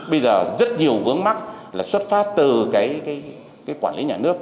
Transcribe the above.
bây giờ rất nhiều vướng mắt là xuất phát từ cái quản lý nhà nước